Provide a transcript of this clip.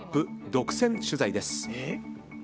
独占取材です。